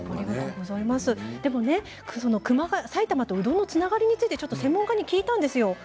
でも埼玉とうどんのつながりについて専門家に聞いたんですよ。